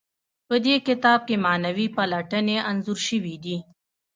په دې کتاب کې معنوي پلټنې انځور شوي دي.